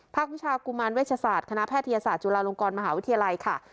วิชากุมารเวชศาสตร์คณะแพทยศาสตร์จุฬาลงกรมหาวิทยาลัยค่ะ